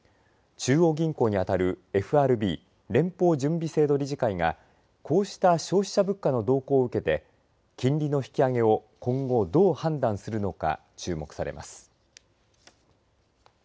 中央銀行に当たるＦＲＢ連邦準備制度理事会がこうした消費者物価の動向を受けて金利の引き上げを今後どう判断するのか注目されます。